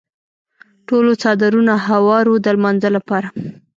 ټولو څادرونه هوار وو د لمانځه لپاره.